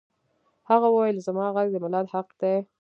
هغه وویل زما غږ د ملت حق دی